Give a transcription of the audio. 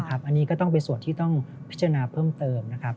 อันนี้ก็ต้องเป็นส่วนที่ต้องพิจารณาเพิ่มเติมนะครับ